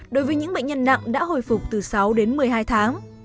đối với những bệnh nhân nặng đã hồi phục từ sáu đến một mươi hai tháng